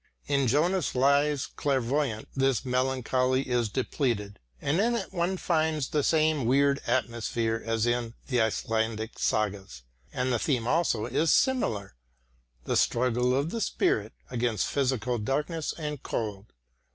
In Jonas Lie's Clair voyant this melancholy is depleted, and in it one finds the same weird atmosphere as in the Icelandic sagas, and the theme also is similar, the struggle of the spirit against physical darkness and cold.